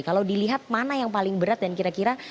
kalau dilihat mana yang paling berat dan kira kira